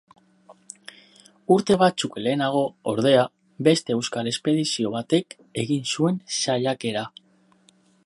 Urte batzuk lehenago, ordea, beste euskal espedizio batek egin zuen saiakera.